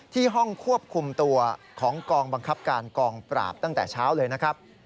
ที่ห้องควบคุมตัวของกองบังคับการกองปราบตั้งแต่เช้าเลยนะครับ